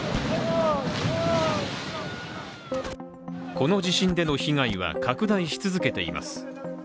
この地震での被害は拡大し続けています。